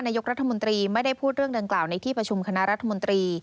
นายกรัฐมนตรีไม่ได้พูดเรื่องดังกล่าวในที่ประชุมคณะรัฐมนตรี